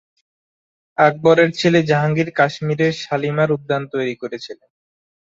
আকবরের ছেলে জাহাঙ্গীর কাশ্মীরের শালিমার উদ্যান তৈরি করেছিলেন।